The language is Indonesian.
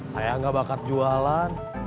saya gak bakal jualan